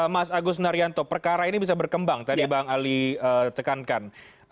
mas agus narianto perkara ini bisa berkembang tadi bang ali tekankan